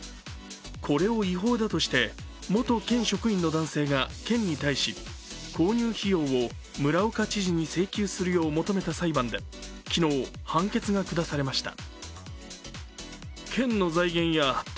これを違法だとして、元県職員の男性が県に対し購入費用を村岡知事に請求するよう求めた裁判で昨日、判決が下されました。